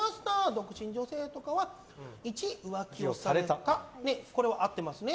独身女性は１位、浮気をされたこれは合ってますね。